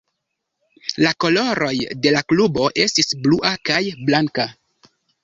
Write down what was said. La koloroj de la klubo estis blua kaj blanka.